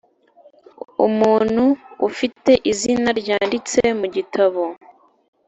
Umuntu Ufite Izina Ryanditse Mu Gitabo